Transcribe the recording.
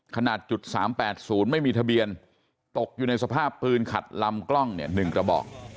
ขนาด๓๘๐ไม่มีทะเบียนตกอยู่ในสภาพปืนขัดลำกล้องเนี่ย๑กระบอก